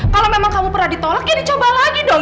kalau memang kamu pernah ditolak ya dicoba lagi dong